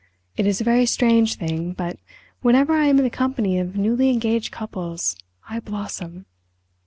It is a very strange thing, but whenever I am in the company of newly engaged couples I blossom.